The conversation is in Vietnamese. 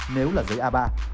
nếu là dây a ba